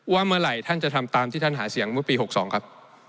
เมื่อไหร่ท่านจะทำตามที่ท่านหาเสียงเมื่อปี๖๒ครับ